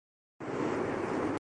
کہ نہ بجھنے کے لیے روشن ہوا ہے۔